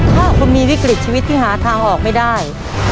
ถ้าคุณมีวิกฤตชีวิตที่หาทางออกไม่ได้